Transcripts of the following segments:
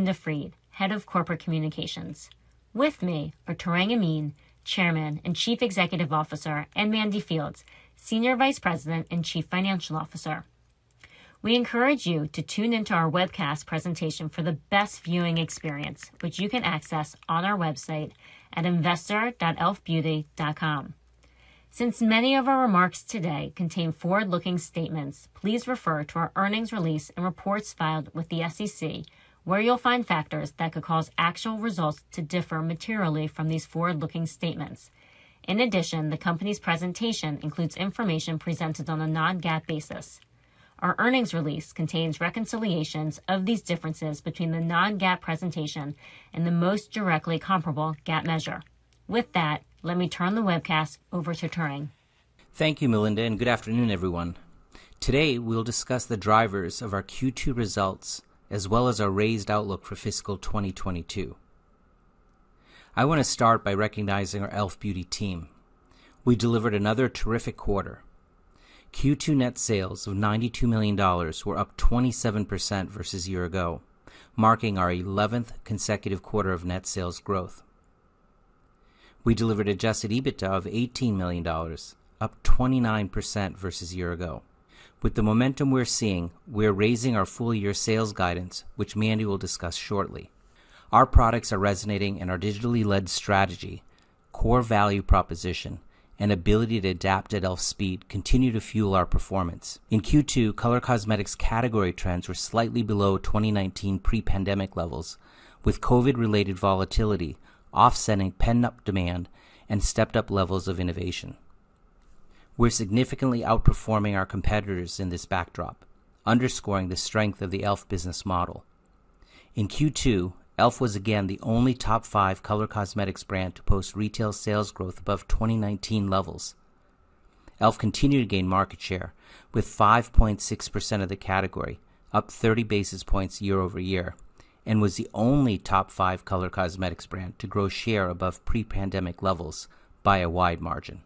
Melinda Fried, Head of Corporate Communications. With me are Tarang Amin, Chairman and Chief Executive Officer, and Mandy Fields, Senior Vice President and Chief Financial Officer. We encourage you to tune into our webcast presentation for the best viewing experience, which you can access on our website at investor.elfbeauty.com. Since many of our remarks today contain forward-looking statements, please refer to our earnings release and reports filed with the SEC where you'll find factors that could cause actual results to differ materially from these forward-looking statements. In addition, the company's presentation includes information presented on a non-GAAP basis. Our earnings release contains reconciliations of these differences between the non-GAAP presentation and the most directly comparable GAAP measure. With that, let me turn the webcast over to Tarang. Thank you, Melinda, and good afternoon, everyone. Today, we'll discuss the drivers of our Q2 results, as well as our raised outlook for fiscal 2022. I want to start by recognizing our e.l.f. Beauty team. We delivered another terrific quarter. Q2 net sales of $92 million were up 27% versus year ago, marking our 11th consecutive quarter of net sales growth. We delivered adjusted EBITDA of $18 million, up 29% versus year ago. With the momentum we're seeing, we're raising our full year sales guidance, which Mandy will discuss shortly. Our products are resonating. Our digitally-led strategy, core value proposition, and ability to adapt at e.l.f. speed continue to fuel our performance. In Q2, color cosmetics category trends were slightly below 2019 pre-pandemic levels, with COVID-related volatility offsetting pent-up demand and stepped up levels of innovation. We're significantly outperforming our competitors in this backdrop, underscoring the strength of the e.l.f. business model. In Q2, e.l.f. was again the only top five color cosmetics brand to post retail sales growth above 2019 levels. e.l.f. continued to gain market share with 5.6% of the category, up 30 basis points year-over-year, and was the only top five color cosmetics brand to grow share above pre-pandemic levels by a wide margin.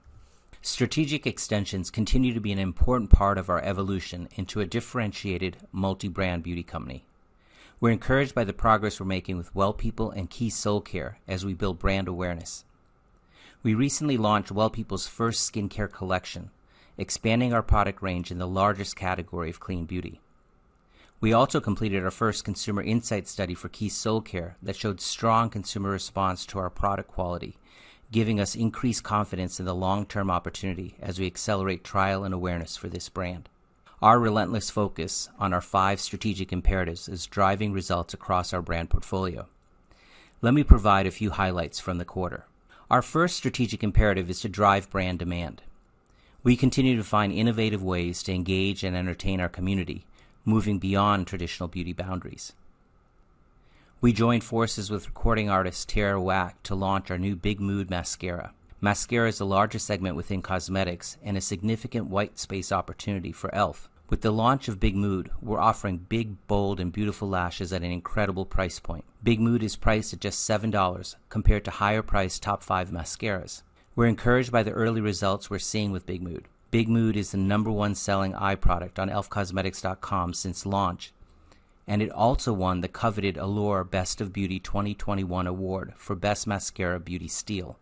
Strategic extensions continue to be an important part of our evolution into a differentiated multi-brand beauty company. We're encouraged by the progress we're making with Well People and Keys Soulcare as we build brand awareness. We recently launched Well People's first skincare collection, expanding our product range in the largest category of clean beauty. We also completed our first consumer insight study for Keys Soulcare that showed strong consumer response to our product quality, giving us increased confidence in the long-term opportunity as we accelerate trial and awareness for this brand. Our relentless focus on our five strategic imperatives is driving results across our brand portfolio. Let me provide a few highlights from the quarter. Our first strategic imperative is to drive brand demand. We continue to find innovative ways to engage and entertain our community, moving beyond traditional beauty boundaries. We joined forces with recording artist Tierra Whack to launch our new Big Mood mascara. Mascara is the largest segment within cosmetics and a significant white space opportunity for e.l.f. With the launch of Big Mood, we're offering big, bold and beautiful lashes at an incredible price point. Big Mood is priced at just $7 compared to higher priced top five mascaras. We're encouraged by the early results we're seeing with Big Mood. Big Mood is the number one selling eye product on elfcosmetics.com since launch, and it also won the coveted Allure Best of Beauty 2021 award for best mascara beauty steal.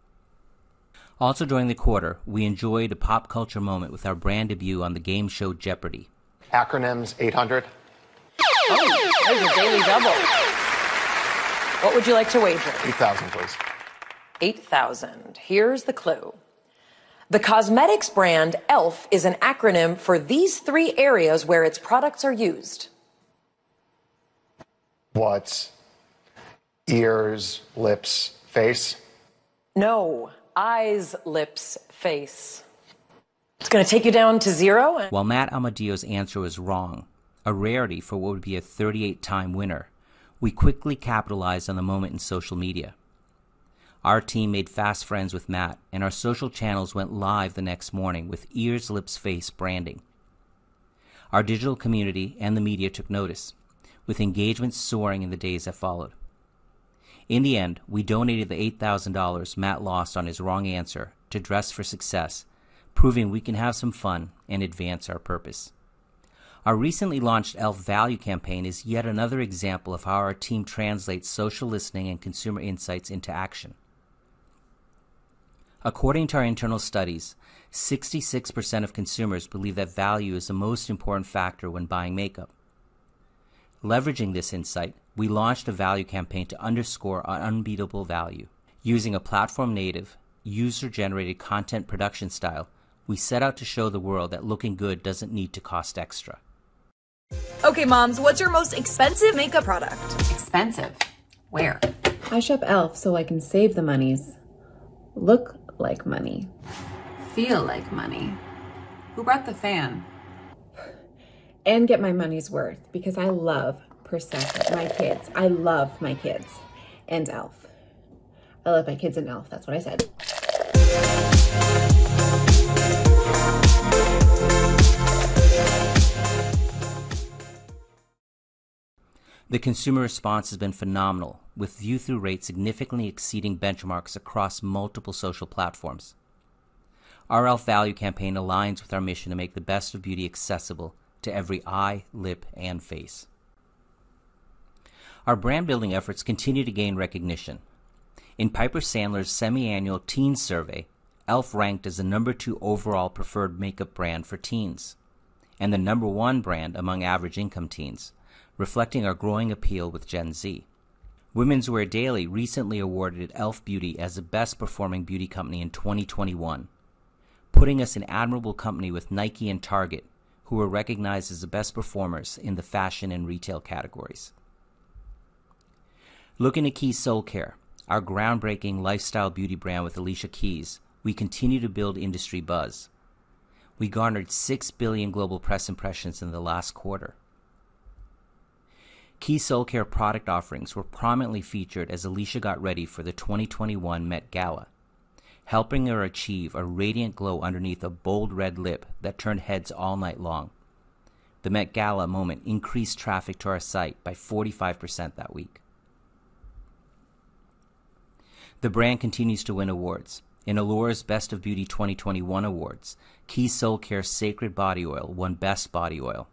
Also during the quarter, we enjoyed a pop culture moment with our brand debut on the game show Jeopardy!. Acronyms, 800. Oh, there's a daily double. What would you like to wager? 8,000, please. 8,000. Here's the clue: the cosmetics brand e.l.f. is an acronym for these three areas where its products are used. What's eyes, lips, face? No, eyes, Lips, Face. It's going to take you down to zero and. While Matt Amodio's answer was wrong, a rarity for what would be a 38-time winner, we quickly capitalized on the moment in social media. Our team made fast friends with Matt, and our social channels went live the next morning with ears, lips, face branding. Our digital community and the media took notice with engagement soaring in the days that followed. In the end, we donated the $8,000 Matt lost on his wrong answer to Dress for Success, proving we can have some fun and advance our purpose. Our recently launched e.l.f. value campaign is yet another example of how our team translates social listening and consumer insights into action. According to our internal studies, 66% of consumers believe that value is the most important factor when buying makeup. Leveraging this insight, we launched a value campaign to underscore our unbeatable value. Using a platform-native, user-generated content production style, we set out to show the world that looking good doesn't need to cost extra. Okay, moms, what's your most expensive makeup product? Expensive? Where? I shop e.l.f. so I can save the monies, look like money. Feel like money. Who brought the fan? Get my money's worth because I love parents, my kids. I love my kids and e.l.f. That's what I said. The consumer response has been phenomenal with view-through rates significantly exceeding benchmarks across multiple social platforms. Our e.l.f. Value campaign aligns with our mission to make the best of beauty accessible to every eye, lip, and face. Our brand-building efforts continue to gain recognition. In Piper Sandler's semi-annual teen survey, e.l.f. ranked as the number two overall preferred makeup brand for teens and the number one brand among average income teens, reflecting our growing appeal with Gen Z. Women's Wear Daily recently awarded e.l.f. Beauty as the best-performing beauty company in 2021, putting us in admirable company with Nike and Target, who were recognized as the best performers in the fashion and retail categories. Looking to Keys Soulcare, our groundbreaking lifestyle beauty brand with Alicia Keys, we continue to build industry buzz. We garnered 6 billion global press impressions in the last quarter. Keys Soulcare product offerings were prominently featured as Alicia Keys got ready for the 2021 Met Gala, helping her achieve a radiant glow underneath a bold red lip that turned heads all night long. The Met Gala moment increased traffic to our site by 45% that week. The brand continues to win awards. In Allure's Best of Beauty 2021 awards, Keys Soulcare Sacred Body Oil won Best Body Oil.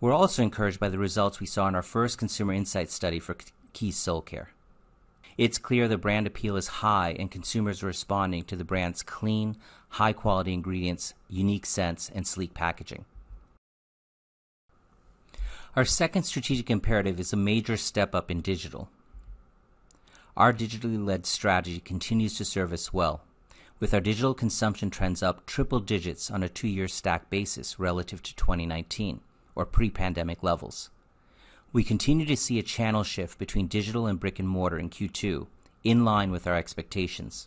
We're also encouraged by the results we saw in our first consumer insight study for Keys Soulcare. It's clear the brand appeal is high and consumers are responding to the brand's clean, high-quality ingredients, unique scents, and sleek packaging. Our second strategic imperative is a major step up in digital. Our digitally-led strategy continues to serve us well. With our digital consumption trends up triple digits on a two-year stack basis relative to 2019 or pre-pandemic levels, we continue to see a channel shift between digital and brick-and-mortar in Q2, in line with our expectations.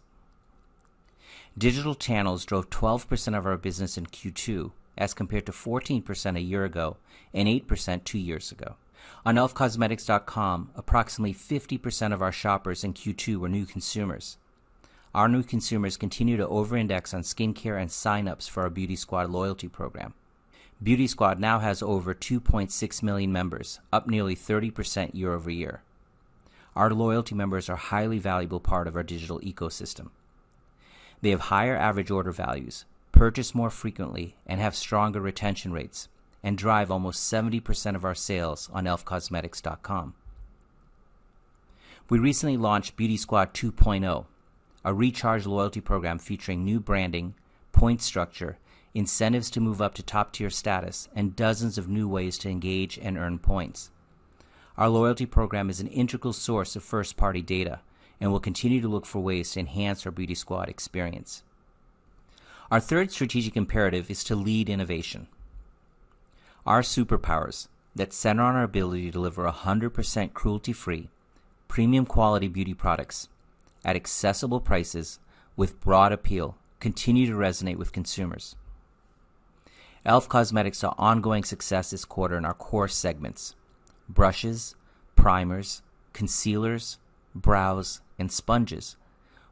Digital channels drove 12% of our business in Q2 as compared to 14% a year ago and 8% two years ago. On elfcosmetics.com, approximately 50% of our shoppers in Q2 were new consumers. Our new consumers continue to overindex on skincare and signups for our Beauty Squad loyalty program. Beauty Squad now has over 2.6 million members, up nearly 30% year-over-year. Our loyalty members are a highly valuable part of our digital ecosystem. They have higher average order values, purchase more frequently, and have stronger retention rates and drive almost 70% of our sales on elfcosmetics.com. We recently launched Beauty Squad 2.0, a recharged loyalty program featuring new branding, point structure, incentives to move up to top-tier status, and dozens of new ways to engage and earn points. Our loyalty program is an integral source of first-party data, and we'll continue to look for ways to enhance our Beauty Squad experience. Our third strategic imperative is to lead innovation. Our superpowers that center on our ability to deliver 100% cruelty-free, premium quality beauty products at accessible prices with broad appeal continue to resonate with consumers. e.l.f. Cosmetics saw ongoing success this quarter in our core segments, brushes, primers, concealers, brows, and sponges,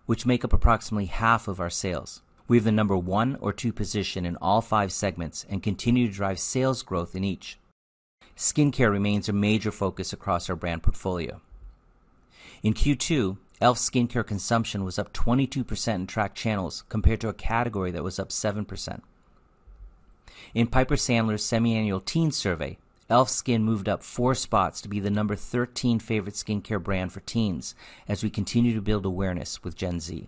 which make up approximately half of our sales. We have the number one or two position in all five segments and continue to drive sales growth in each. Skincare remains a major focus across our brand portfolio. In Q2, e.l.f. SKIN consumption was up 22% in tracked channels compared to a category that was up 7%. In Piper Sandler's semiannual teen survey, e.l.f. SKIN moved up four spots to be the number 13 favorite skincare brand for teens as we continue to build awareness with Gen Z.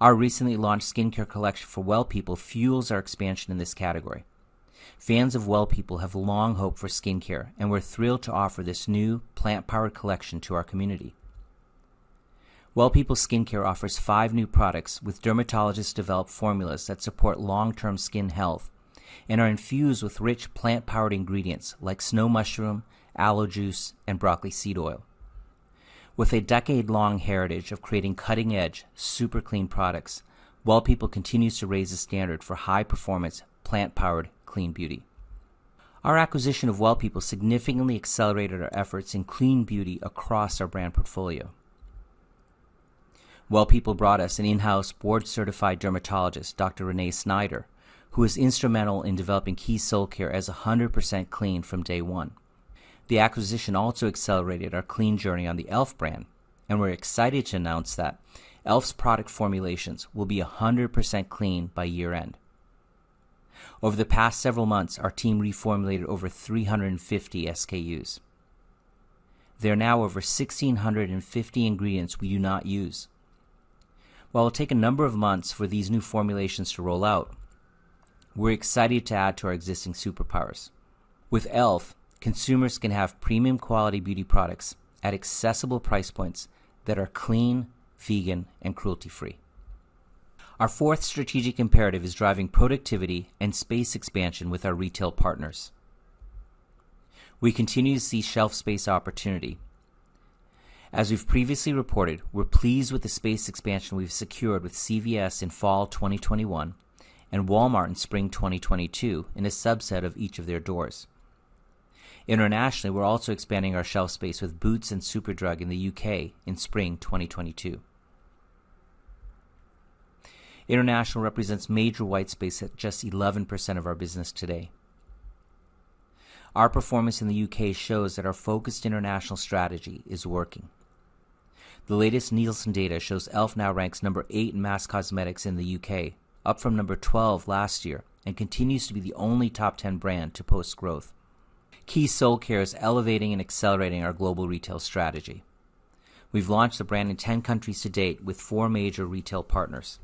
Our recently launched skincare collection for Well People fuels our expansion in this category. Fans of Well People have long hoped for skincare, and we're thrilled to offer this new plant-powered collection to our community. Well People Skincare offers five new products with dermatologist-developed formulas that support long-term skin health and are infused with rich plant-powered ingredients like snow mushroom, aloe juice, and broccoli seed oil. With a decade-long heritage of creating cutting-edge, super clean products, Well People continues to raise the standard for high-performance, plant-powered, clean beauty. Our acquisition of Well People significantly accelerated our efforts in clean beauty across our brand portfolio. Well People brought us an in-house board-certified dermatologist, Dr. Renée Snyder, who was instrumental in developing Keys Soulcare as 100% clean from day one. The acquisition also accelerated our clean journey on the e.l.f. brand, and we're excited to announce that e.l.f.'s product formulations will be 100% clean by year-end. Over the past several months, our team reformulated over 350 SKUs. There are now over 1,650 ingredients we do not use. While it'll take a number of months for these new formulations to roll out, we're excited to add to our existing superpowers. With e.l.f., consumers can have premium quality beauty products at accessible price points that are clean, vegan, and cruelty-free. Our fourth strategic imperative is driving productivity and space expansion with our retail partners. We continue to see shelf space opportunity. As we've previously reported, we're pleased with the space expansion we've secured with CVS in fall 2021 and Walmart in spring 2022 in a subset of each of their doors. Internationally, we're also expanding our shelf space with Boots and Superdrug in the U.K. in spring 2022. International represents major white space at just 11% of our business today. Our performance in the U.K. shows that our focused international strategy is working. The latest Nielsen data shows e.l.f. now ranks number eight in mass cosmetics in the U.K., up from number 12 last year, and continues to be the only top 10 brand to post growth. Keys Soulcare is elevating and accelerating our global retail strategy. We've launched the brand in 10 countries to date with foue major retail partners.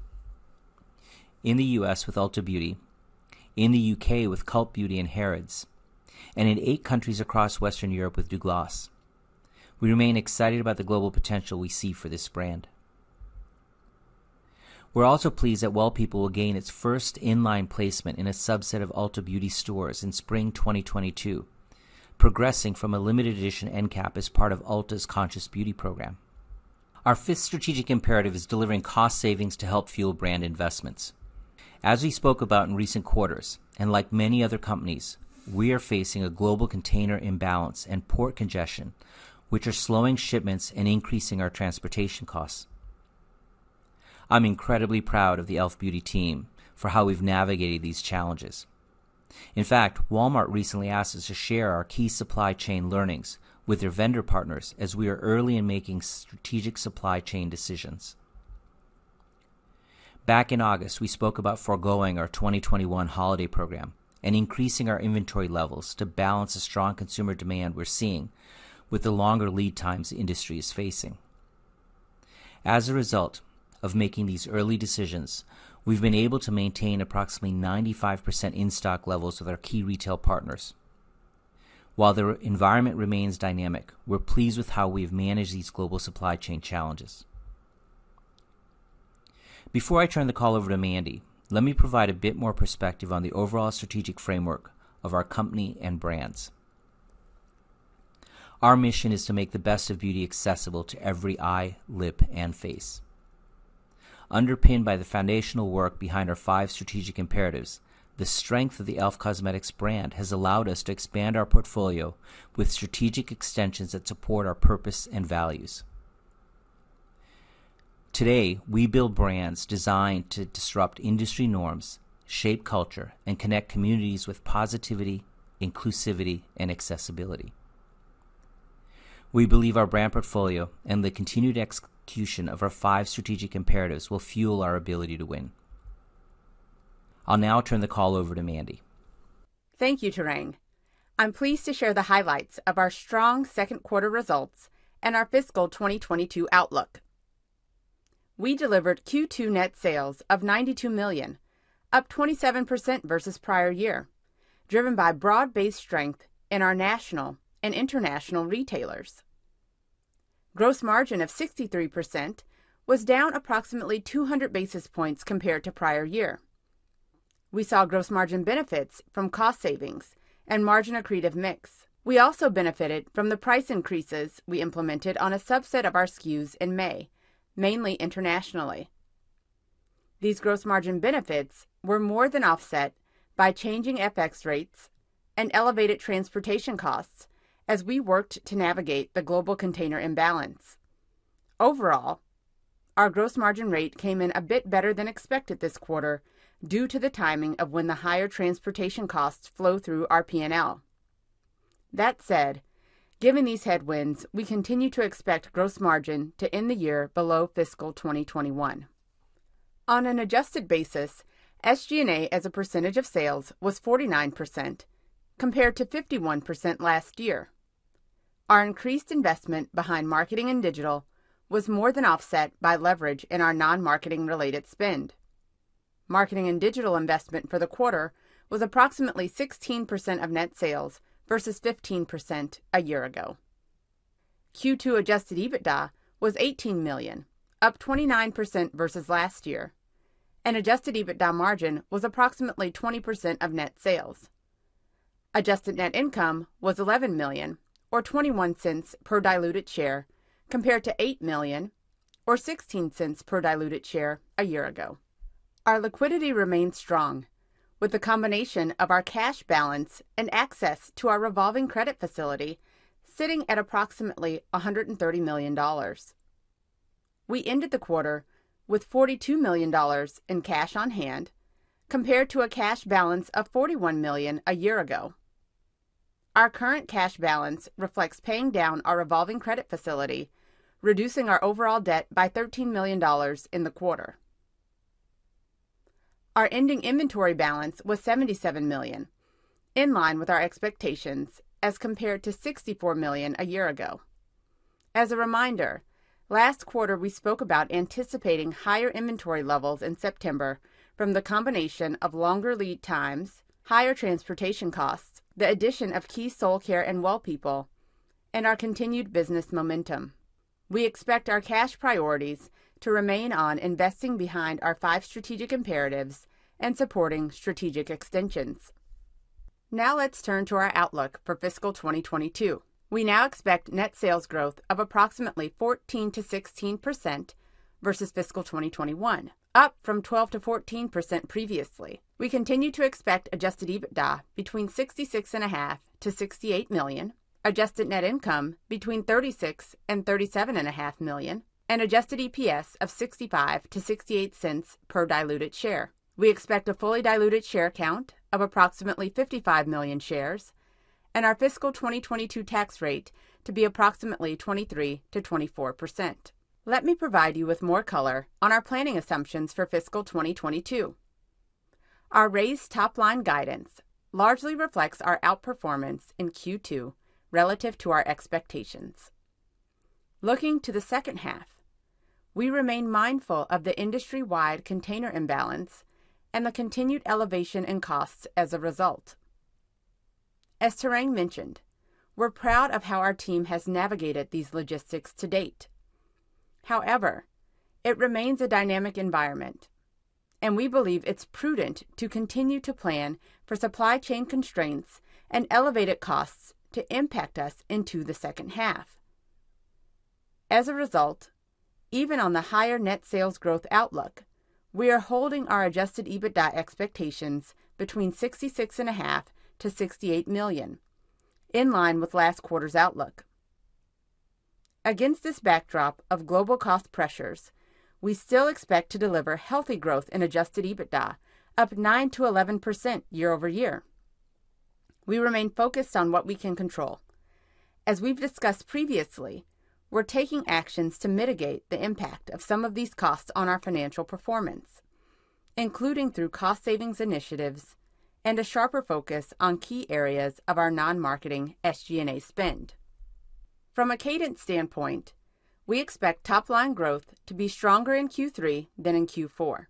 In the U.S. with Ulta Beauty, in the U.K. with Cult Beauty and Harrods, and in eight countries across Western Europe with Douglas. We remain excited about the global potential we see for this brand. We're also pleased that Well People will gain its first in-line placement in a subset of Ulta Beauty stores in spring 2022, progressing from a limited edition end cap as part of Ulta's Conscious Beauty Program. Our fifth strategic imperative is delivering cost savings to help fuel brand investments. As we spoke about in recent quarters, and like many other companies, we are facing a global container imbalance and port congestion, which are slowing shipments and increasing our transportation costs. I'm incredibly proud of the e.l.f. Beauty team for how we've navigated these challenges. In fact, Walmart recently asked us to share our key supply chain learnings with their vendor partners as we are early in making strategic supply chain decisions. Back in August, we spoke about foregoing our 2021 holiday program and increasing our inventory levels to balance the strong consumer demand we're seeing with the longer lead times the industry is facing. As a result of making these early decisions, we've been able to maintain approximately 95% in-stock levels with our key retail partners. While the environment remains dynamic, we're pleased with how we've managed these global supply chain challenges. Before I turn the call over to Mandy, let me provide a bit more perspective on the overall strategic framework of our company and brands. Our mission is to make the best of beauty accessible to every eye, lip, and face. Underpinned by the foundational work behind our five strategic imperatives, the strength of the e.l.f. Cosmetics brand has allowed us to expand our portfolio with strategic extensions that support our purpose and values. Today, we build brands designed to disrupt industry norms, shape culture, and connect communities with positivity, inclusivity, and accessibility. We believe our brand portfolio and the continued execution of our five strategic imperatives will fuel our ability to win. I'll now turn the call over to Mandy. Thank you, Tarang. I'm pleased to share the highlights of our strong second quarter results and our fiscal 2022 outlook. We delivered Q2 net sales of $92 million, up 27% versus prior year, driven by broad-based strength in our national and international retailers. Gross margin of 63% was down approximately 200 basis points compared to prior year. We saw gross margin benefits from cost savings and margin accretive mix. We also benefited from the price increases we implemented on a subset of our SKUs in May, mainly internationally. These gross margin benefits were more than offset by changing FX rates and elevated transportation costs as we worked to navigate the global container imbalance. Overall, our gross margin rate came in a bit better than expected this quarter due to the timing of when the higher transportation costs flow through our P&L. That said, given these headwinds, we continue to expect gross margin to end the year below fiscal 2021. On an adjusted basis, SG&A as a percentage of sales was 49% compared to 51% last year. Our increased investment behind marketing and digital was more than offset by leverage in our non-marketing related spend. Marketing and digital investment for the quarter was approximately 16% of net sales versus 15% a year ago. Q2 adjusted EBITDA was $18 million, up 29% versus last year, and adjusted EBITDA margin was approximately 20% of net sales. Adjusted net income was $11 million or $0.21 per diluted share, compared to $8 million or $0.16 per diluted share a year ago. Our liquidity remains strong with the combination of our cash balance and access to our revolving credit facility sitting at approximately $130 million. We ended the quarter with $42 million in cash on hand compared to a cash balance of $41 million a year ago. Our current cash balance reflects paying down our revolving credit facility, reducing our overall debt by $13 million in the quarter. Our ending inventory balance was $77 million, in line with our expectations as compared to $64 million a year ago. As a reminder, last quarter we spoke about anticipating higher inventory levels in September from the combination of longer lead times, higher transportation costs, the addition of Keys Soulcare and Well People, and our continued business momentum. We expect our cash priorities to remain on investing behind our five strategic imperatives and supporting strategic extensions. Now let's turn to our outlook for fiscal 2022. We now expect net sales growth of approximately 14%-16% versus fiscal 2021, up from 12%-14% previously. We continue to expect adjusted EBITDA between $66.5 million-$68 million. Adjusted net income between $36 million-$37.5 million, and adjusted EPS of $0.65-$0.68 per diluted share. We expect a fully diluted share count of approximately 55 million shares, and our fiscal 2022 tax rate to be approximately 23%-24%. Let me provide you with more color on our planning assumptions for fiscal 2022. Our raised top line guidance largely reflects our outperformance in Q2 relative to our expectations. Looking to the second half, we remain mindful of the industry-wide container imbalance and the continued elevation in costs as a result. As Tarang mentioned, we're proud of how our team has navigated these logistics to date. However, it remains a dynamic environment, and we believe it's prudent to continue to plan for supply chain constraints and elevated costs to impact us into the second half. As a result, even on the higher net sales growth outlook, we are holding our adjusted EBITDA expectations between $66.5 million-$68 million, in line with last quarter's outlook. Against this backdrop of global cost pressures, we still expect to deliver healthy growth in adjusted EBITDA, up 9%-11% year-over-year. We remain focused on what we can control. As we've discussed previously, we're taking actions to mitigate the impact of some of these costs on our financial performance, including through cost savings initiatives and a sharper focus on key areas of our non-marketing SG&A spend. From a cadence standpoint, we expect top line growth to be stronger in Q3 than in Q4.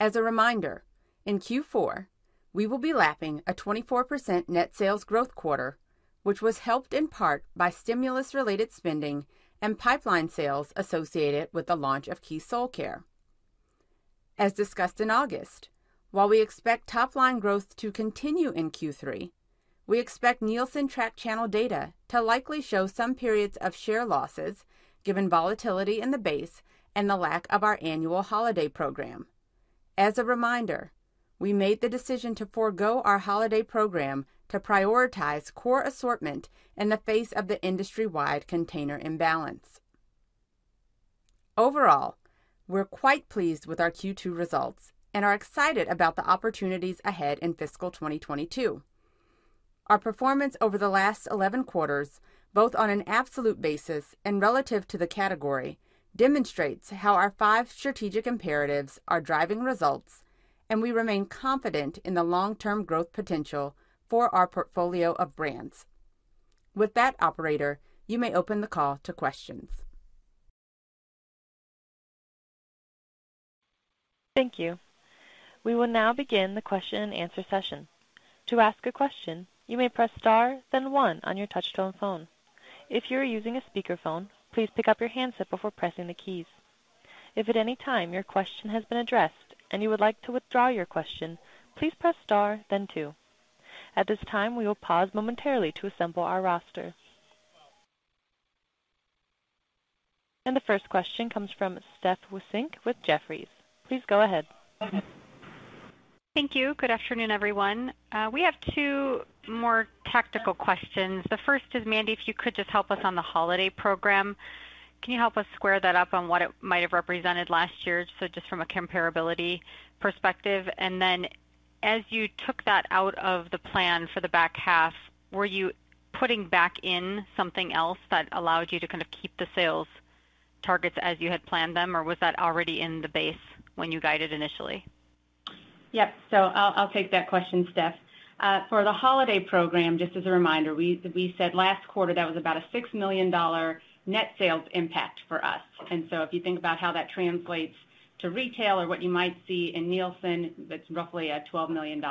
As a reminder, in Q4, we will be lapping a 24% net sales growth quarter, which was helped in part by stimulus-related spending and pipeline sales associated with the launch of Keys Soulcare. As discussed in August, while we expect top line growth to continue in Q3, we expect Nielsen tracked channel data to likely show some periods of share losses given volatility in the base and the lack of our annual holiday program. As a reminder, we made the decision to forego our holiday program to prioritize core assortment in the face of the industry-wide container imbalance. Overall, we're quite pleased with our Q2 results and are excited about the opportunities ahead in fiscal 2022. Our performance over the last eleven quarters, both on an absolute basis and relative to the category, demonstrates how our five strategic imperatives are driving results, and we remain confident in the long-term growth potential for our portfolio of brands. With that, operator, you may open the call to questions. Thank you. We will now begin the question-and-answer session. To ask a question, you may press star then one on your touch-tone phone. If you are using a speakerphone, please pick up your handset before pressing the keys. If at any time your question has been addressed and you would like to withdraw your question, please press star then two. At this time, we will pause momentarily to assemble our roster. The first question comes from Steph Wissink with Jefferies. Please go ahead. Thank you. Good afternoon, everyone. We have two more tactical questions. The first is, Mandy, if you could just help us on the holiday program, can you help us square that up on what it might have represented last year, so just from a comparability perspective? And then as you took that out of the plan for the back half, were you putting back in something else that allowed you to kind of keep the sales targets as you had planned them, or was that already in the base when you guided initially? Yep. I'll take that question, Steph. For the holiday program, just as a reminder, we said last quarter that was about a $6 million net sales impact for us. If you think about how that translates to retail or what you might see in Nielsen, that's roughly a $12 million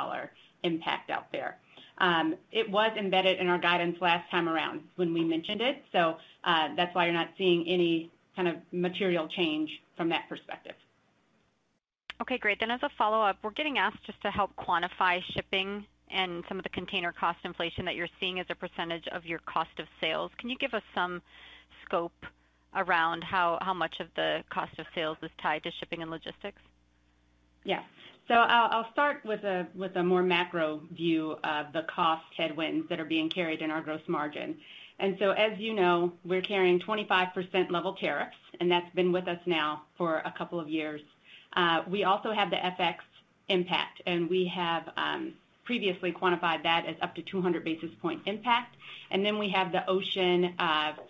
impact out there. It was embedded in our guidance last time around when we mentioned it, so that's why you're not seeing any kind of material change from that perspective. Okay, great. As a follow-up, we're getting asked just to help quantify shipping and some of the container cost inflation that you're seeing as a percentage of your cost of sales. Can you give us some scope around how much of the cost of sales is tied to shipping and logistics? Yeah. I'll start with a more macro view of the cost headwinds that are being carried in our gross margin. As you know, we're carrying 25% level tariffs, and that's been with us now for a couple of years. We also have the FX impact, and we have previously-quantified that as up to 200 basis point impact. We have the ocean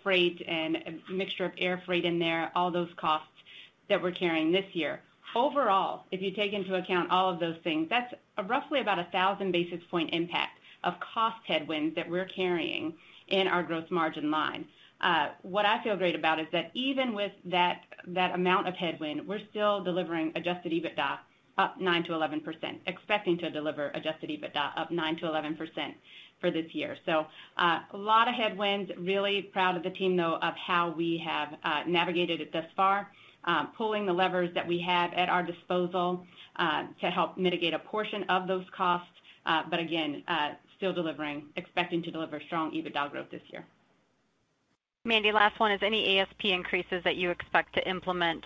freight and a mixture of air freight in there, all those costs that we're carrying this year. Overall, if you take into account all of those things, that's roughly about a 1,000 basis point impact of cost headwind that we're carrying in our gross margin line. What I feel great about is that even with that amount of headwind, we're still delivering adjusted EBITDA up 9%-11%, expecting to deliver adjusted EBITDA up 9%-11% for this year. A lot of headwinds. Really proud of the team, though, of how we have navigated it thus far, pulling the levers that we have at our disposal to help mitigate a portion of those costs, but again, still delivering, expecting to deliver strong EBITDA growth this year. Mandy, last one. Is any ASP increases that you expect to implement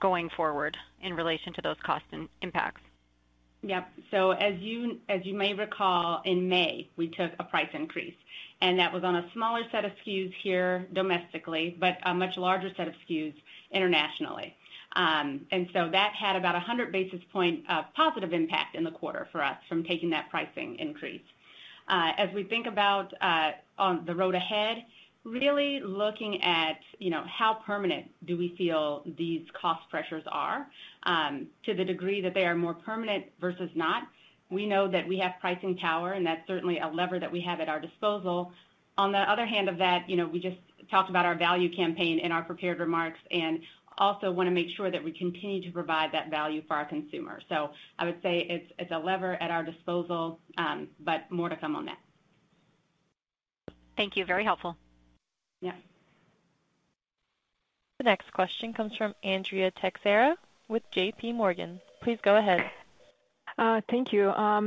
going forward in relation to those cost and impacts? Yep. As you may recall, in May, we took a price increase, and that was on a smaller set of SKUs here domestically, but a much larger set of SKUs internationally. That had about 100 basis points positive impact in the quarter for us from taking that pricing increase. As we think about on the road ahead, really looking at, you know, how permanent do we feel these cost pressures are, to the degree that they are more permanent versus not. We know that we have pricing power, and that's certainly a lever that we have at our disposal. On the other hand of that, you know, we just talked about our value campaign in our prepared remarks and also wanna make sure that we continue to provide that value for our consumers. I would say it's a lever at our disposal, but more to come on that. Thank you. Very helpful. Yeah. The next question comes from Andrea Teixeira with JPMorgan. Please go ahead. Thank you. I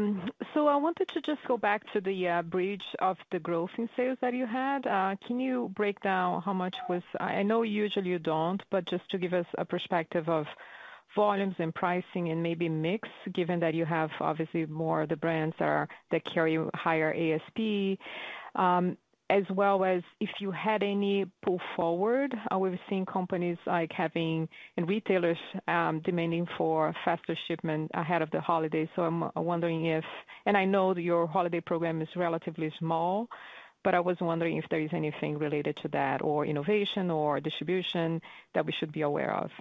wanted to just go back to the bridge of the growth in sales that you had. Can you break down how much was. I know usually you don't, but just to give us a perspective of volumes and pricing and maybe mix, given that you have obviously more of the brands that carry higher ASP, as well as if you had any pull forward. We've seen companies and retailers demanding for faster shipment ahead of the holidays. I'm wondering if. I know that your holiday program is relatively small, but I was wondering if there is anything related to that or innovation or distribution that we should be aware of.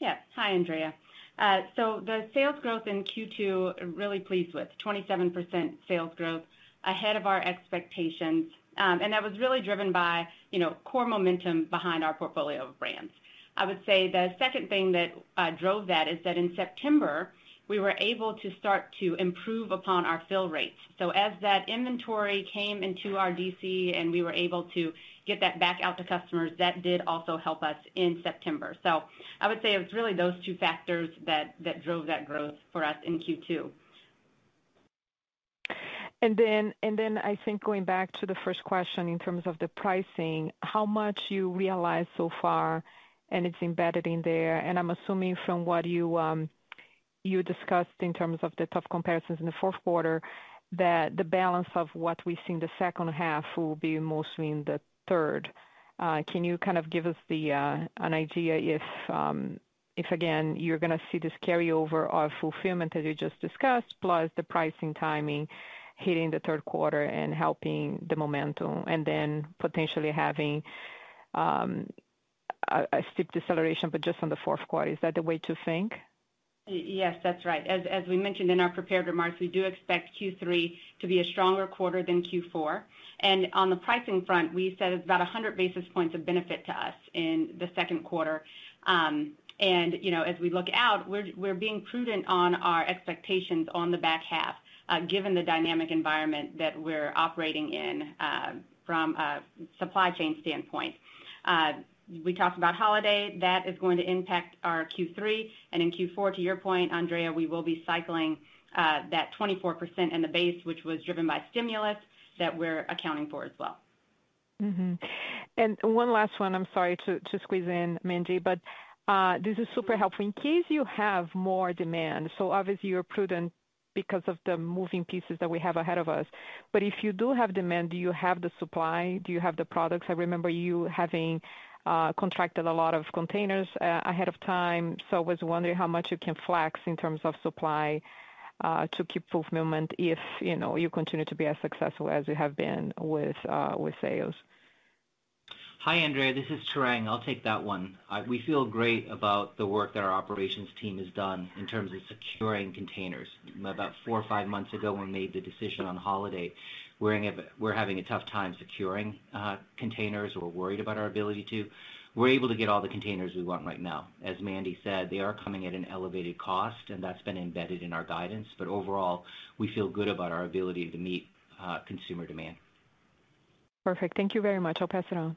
Yes. Hi, Andrea. I'm really pleased with the sales growth in Q2. 27% sales growth, ahead of our expectations. That was really driven by, you know, core momentum behind our portfolio of brands. I would say the second thing that drove that is that in September, we were able to start to improve upon our fill rates. As that inventory came into our DC and we were able to get that back out to customers, that did also help us in September. I would say it was really those two factors that drove that growth for us in Q2. I think going back to the first question in terms of the pricing, how much you realize so far, and it's embedded in there. I'm assuming from what you discussed in terms of the tough comparisons in the fourth quarter, that the balance of what we see in the second half will be mostly in the third. Can you kind of give us an idea if again, you're gonna see this carryover of fulfillment that you just discussed, plus the pricing timing hitting the third quarter and helping the momentum and then potentially having a steep deceleration, but just on the fourth quarter? Is that the way to think? Yes, that's right. As we mentioned in our prepared remarks, we do expect Q3 to be a stronger quarter than Q4. On the pricing front, we said it's about 100 basis points of benefit to us in the second quarter. You know, as we look out, we're being prudent on our expectations on the back half, given the dynamic environment that we're operating in, from a supply chain standpoint. We talked about holiday. That is going to impact our Q3. In Q4, to your point, Andrea, we will be cycling that 24% in the base, which was driven by stimulus that we're accounting for as well. Mm-hmm. One last one, I'm sorry to squeeze in, Mandy, but this is super helpful. In case you have more demand, so obviously you're prudent because of the moving pieces that we have ahead of us. If you do have demand, do you have the supply? Do you have the products? I remember you having contracted a lot of containers ahead of time, so I was wondering how much you can flex in terms of supply to keep fulfillment if, you know, you continue to be as successful as you have been with sales. Hi, Andrea. This is Tarang. I'll take that one. We feel great about the work that our operations team has done in terms of securing containers. About four or five months ago, when we made the decision on holiday, we're having a tough time securing containers. We're able to get all the containers we want right now. As Mandy said, they are coming at an elevated cost, and that's been embedded in our guidance. Overall, we feel good about our ability to meet consumer demand. Perfect. Thank you very much. I'll pass it on.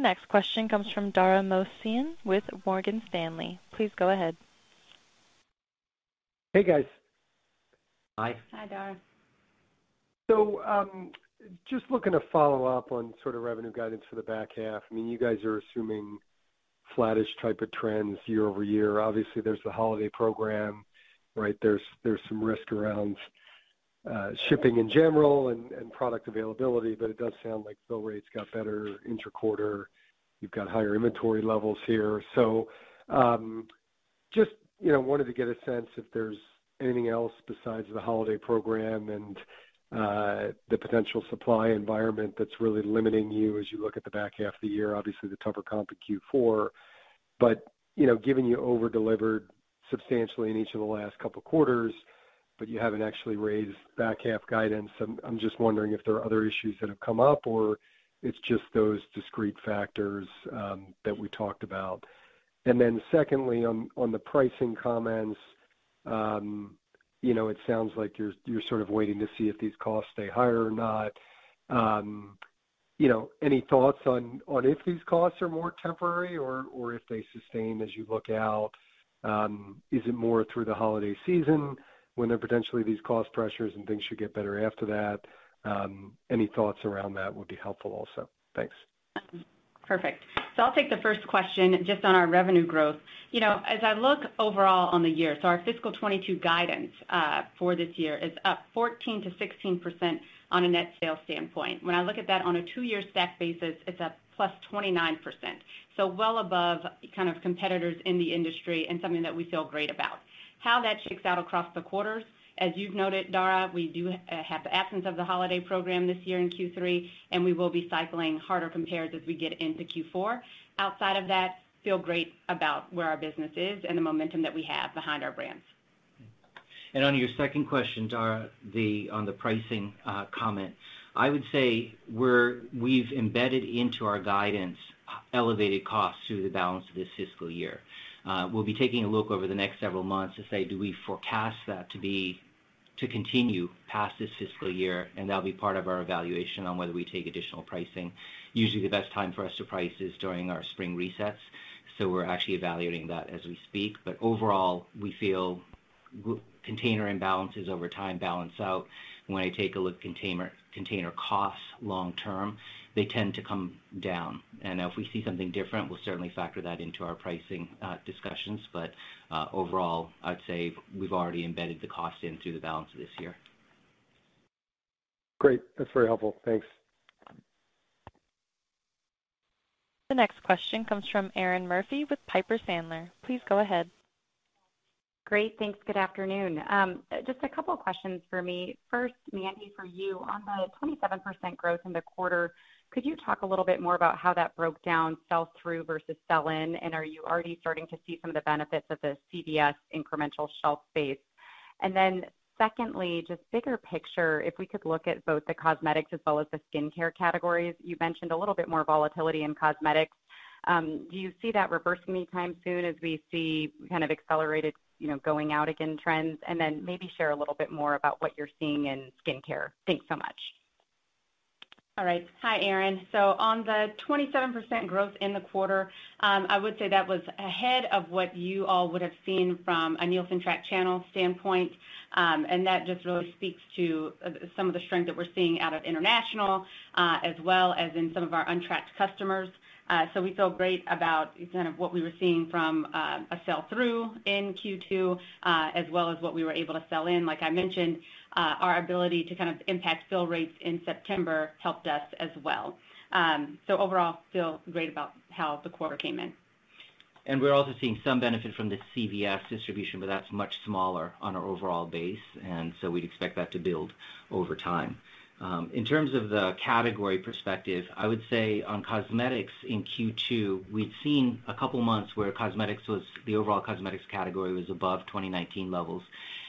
The next question comes from Dara Mohsenian with Morgan Stanley. Please go ahead. Hey, guys. Hi. Hi, Dara. Just looking to follow up on sort of revenue guidance for the back half. I mean, you guys are assuming flattish type of trends year-over-year. Obviously, there's the holiday program, right? There's some risk around shipping in general and product availability, but it does sound like fill rates got better interquarter. You've got higher inventory levels here. Just you know wanted to get a sense if there's anything else besides the holiday program and the potential supply environment that's really limiting you as you look at the back half of the year, obviously the tougher comp in Q4. You know, given you over-delivered substantially in each of the last couple quarters, but you haven't actually raised back half guidance, I'm just wondering if there are other issues that have come up or it's just those discrete factors that we talked about. Then secondly, on the pricing comments, you know, it sounds like you're sort of waiting to see if these costs stay higher or not. You know, any thoughts on if these costs are more temporary or if they sustain as you look out? Is it more through the holiday season when they're potentially these cost pressures and things should get better after that? Any thoughts around that would be helpful also. Thanks. Perfect. I'll take the first question just on our revenue growth. You know, as I look overall on the year, our fiscal 2022 guidance for this year is up 14%-16% on a net sales standpoint. When I look at that on a two-year stack basis, it's up +29%. Well above kind of competitors in the industry and something that we feel great about. How that shakes out across the quarters, as you've noted, Dara, we do have the absence of the holiday program this year in Q3, and we will be cycling harder compares as we get into Q4. Outside of that, feel great about where our business is and the momentum that we have behind our brands. On your second question, Dara, on the pricing comment. I would say we've embedded into our guidance elevated costs through the balance of this fiscal year. We'll be taking a look over the next several months to say, do we forecast that to continue past this fiscal year? That'll be part of our evaluation on whether we take additional pricing. Usually, the best time for us to price is during our spring resets. We're actually evaluating that as we speak. Overall, we feel global container imbalances over time balance out. When I take a look at container costs long term, they tend to come down. If we see something different, we'll certainly factor that into our pricing discussions. Overall, I'd say we've already embedded the cost in through the balance of this year. Great. That's very helpful. Thanks. The next question comes from Erinn Murphy with Piper Sandler. Please go ahead. Great. Thanks. Good afternoon. Just a couple of questions for me. First, Mandy, for you, on the 27% growth in the quarter, could you talk a little bit more about how that broke down sell-through versus sell-in? Are you already starting to see some of the benefits of the CVS incremental shelf space? Secondly, just bigger picture, if we could look at both the cosmetics as well as the skincare categories. You mentioned a little bit more volatility in cosmetics. Do you see that reversing any time soon as we see kind of accelerated, you know, going out again trends? Maybe share a little bit more about what you're seeing in skincare. Thanks so much. All right. Hi, Erin. On the 27% growth in the quarter, I would say that was ahead of what you all would have seen from a Nielsen tracked channel standpoint. That just really speaks to some of the strength that we're seeing out of international, as well as in some of our untracked customers. We feel great about kind of what we were seeing from a sell-through in Q2, as well as what we were able to sell in. Like I mentioned, our ability to kind of impact fill rates in September helped us as well. Overall, feel great about how the quarter came in. We're also seeing some benefit from the CVS distribution, but that's much smaller on our overall base, and so we'd expect that to build over time. In terms of the category perspective, I would say on cosmetics in Q2, we'd seen a couple of months where the overall cosmetics category was above 2019 levels.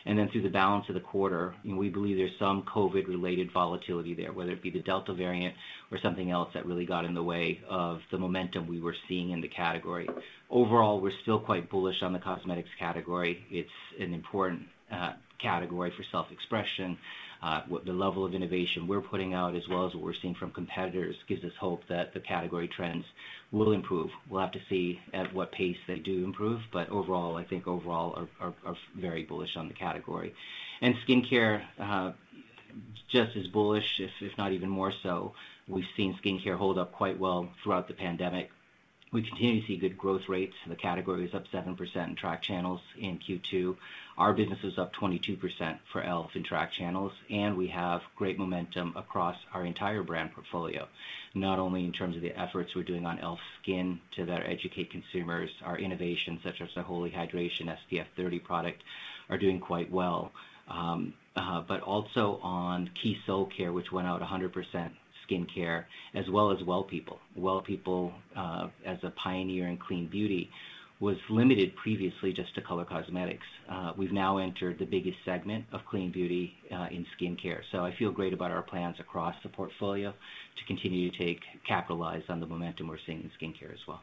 Then through the balance of the quarter, we believe there's some COVID-related volatility there, whether it be the Delta variant or something else that really got in the way of the momentum we were seeing in the category. Overall, we're still quite bullish on the cosmetics category. It's an important category for self-expression. The level of innovation we're putting out as well as what we're seeing from competitors gives us hope that the category trends will improve. We'll have to see at what pace they do improve. I think overall we are very bullish on the category. Skincare just as bullish, if not even more so. We've seen skincare hold up quite well throughout the pandemic. We continue to see good growth rates. The category is up 7% in tracked channels in Q2. Our business is up 22% for e.l.f. in tracked channels, and we have great momentum across our entire brand portfolio, not only in terms of the efforts we're doing on e.l.f. SKIN to better educate consumers, our innovations such as the Holy Hydration SPF 30 product are doing quite well, but also on Keys Soulcare, which went out 100% skincare, as well as Well People. Well People, as a pioneer in clean beauty, was limited previously just to color cosmetics. We've now entered the biggest segment of clean beauty in skincare. I feel great about our plans across the portfolio to continue to capitalize on the momentum we're seeing in skincare as well.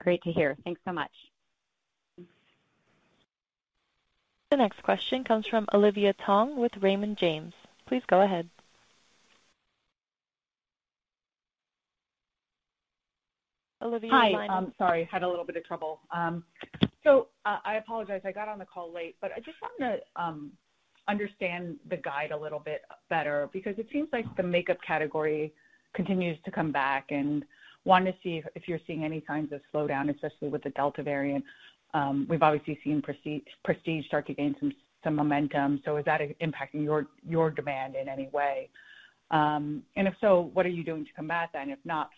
Great to hear. Thanks so much. Thanks. The next question comes from Olivia Tong with Raymond James. Please go ahead. Olivia, you're muted. Hi. I'm sorry. Had a little bit of trouble. So, I apologize. I got on the call late, but I just wanted to understand the guide a little bit better because it seems like the makeup category continues to come back, and wanted to see if you're seeing any signs of slowdown, especially with the Delta variant. We've obviously seen Prestige start to gain some momentum. So is that impacting your demand in any way? And if so, what are you doing to combat that? If not,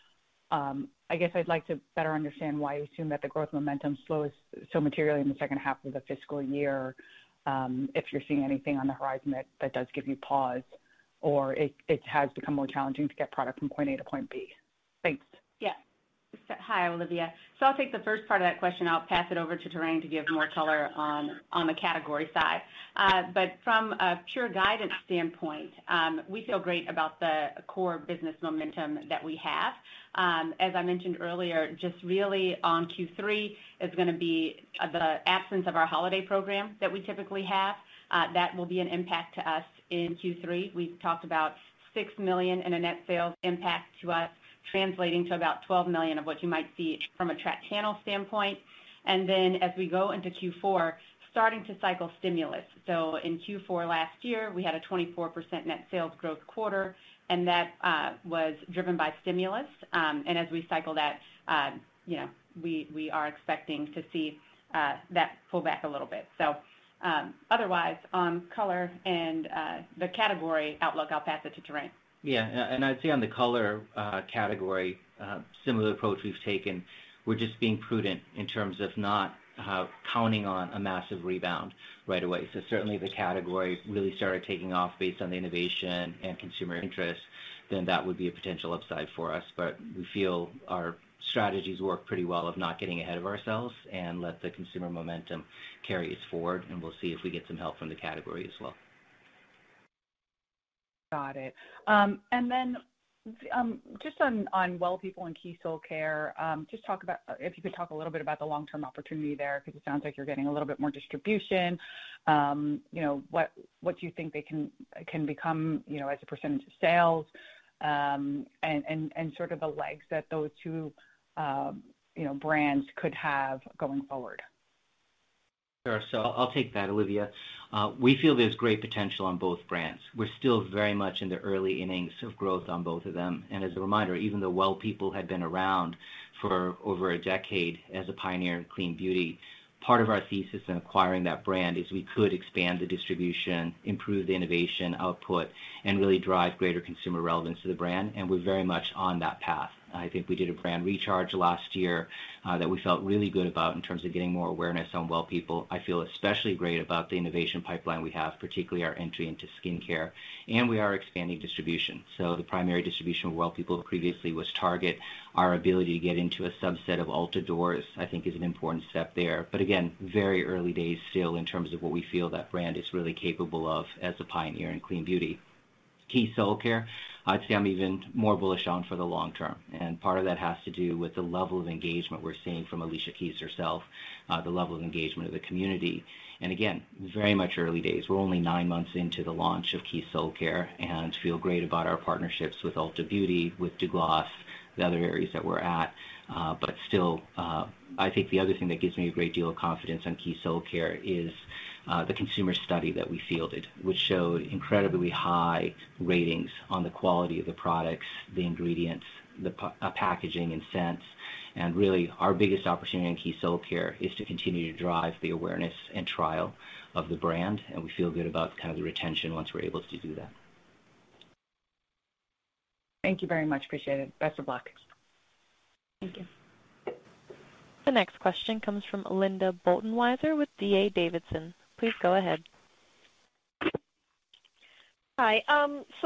I guess I'd like to better understand why you assume that the growth momentum slows so materially in the second half of the fiscal year, if you're seeing anything on the horizon that does give you pause or it has become more challenging to get product from point A to point B. Thanks. Hi, Olivia. I'll take the first part of that question. I'll pass it over to Tarang to give more color on the category side. From a pure guidance standpoint, we feel great about the core business momentum that we have. As I mentioned earlier, Q3 is gonna be the absence of our holiday program that we typically have, that will be an impact to us in Q3. We've talked about $6 million in a net sales impact to us, translating to about $12 million of what you might see from a track channel standpoint. Then as we go into Q4, starting to cycle stimulus. In Q4 last year, we had a 24% net sales growth quarter, and that was driven by stimulus. As we cycle that, you know, we are expecting to see that pull back a little bit. Otherwise, on color and the category outlook, I'll pass it to Tarang. Yeah. I'd say on the color category, similar approach we've taken, we're just being prudent in terms of not counting on a massive rebound right away. Certainly, the category really started taking off based on the innovation and consumer interest, then that would be a potential upside for us. We feel our strategies work pretty well of not getting ahead of ourselves and let the consumer momentum carry us forward, and we'll see if we get some help from the category as well. Got it. Just on Well People and Keys Soulcare, if you could talk a little bit about the long-term opportunity there, because it sounds like you're getting a little bit more distribution, you know, what do you think they can become, you know, as a percentage of sales, and sort of the legs that those two, you know, brands could have going forward? Sure. I'll take that, Olivia. We feel there's great potential on both brands. We're still very much in the early innings of growth on both of them. As a reminder, even though Well People had been around for over a decade as a pioneer in clean beauty, part of our thesis in acquiring that brand is we could expand the distribution, improve the innovation output, and really drive greater consumer relevance to the brand, and we're very much on that path. I think we did a brand recharge last year, that we felt really good about in terms of getting more awareness on Well People. I feel especially great about the innovation pipeline we have, particularly our entry into skincare, and we are expanding distribution. The primary distribution of Well People previously was Target. Our ability to get into a subset of Ulta doors, I think, is an important step there. Again, very early days still in terms of what we feel that brand is really capable of as a pioneer in clean beauty. Keys Soulcare, I'd say I'm even more bullish on for the long term, and part of that has to do with the level of engagement we're seeing from Alicia Keys herself, the level of engagement of the community. Again, very much early days. We're only nine months into the launch of Keys Soulcare and feel great about our partnerships with Ulta Beauty, with Douglas, the other areas that we're at. I think the other thing that gives me a great deal of confidence on Keys Soulcare is the consumer study that we fielded, which showed incredibly high ratings on the quality of the products, the ingredients, the packaging and scents. Really, our biggest opportunity in Keys Soulcare is to continue to drive the awareness and trial of the brand, and we feel good about kind of the retention once we're able to do that. Thank you very much. Appreciate it. Best of luck. Thank you. The next question comes from Linda Bolton Weiser with D.A. Davidson. Please go ahead. Hi.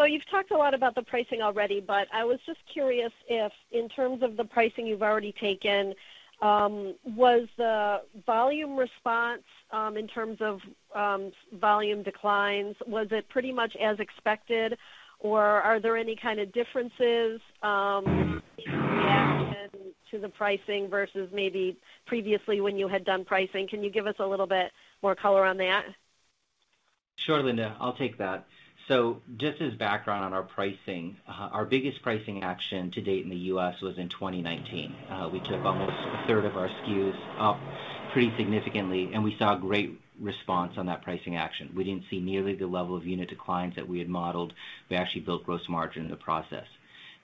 You've talked a lot about the pricing already, but I was just curious if, in terms of the pricing you've already taken, was the volume response, in terms of, volume declines, was it pretty much as expected, or are there any kinda differences, in reaction to the pricing versus maybe previously when you had done pricing? Can you give us a little bit more color on that? Sure, Linda. I'll take that. Just as background on our pricing, our biggest pricing action to date in the U.S. was in 2019. We took almost a third of our SKUs up pretty significantly, and we saw a great response on that pricing action. We didn't see nearly the level of unit declines that we had modeled. We actually built gross margin in the process.